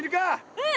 うん。